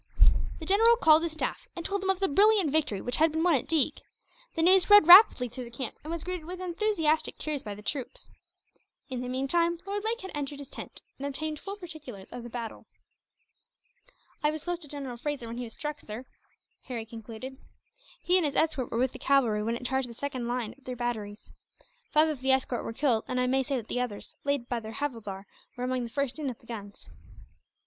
The general called his staff, and told them of the brilliant victory that had been won at Deeg. The news spread rapidly through the camp, and was greeted with enthusiastic cheers by the troops. In the meantime Lord Lake had entered his tent, and obtained full particulars of the battle. "I was close to General Fraser when he was struck, sir," Harry concluded. "He and his escort were with the cavalry, when it charged the second line of their batteries. Five of the escort were killed; and I may say that the others, led by their havildar, were among the first in at the guns."